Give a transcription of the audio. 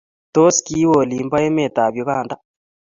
Tos, kiwee olin bo emetab Uganda?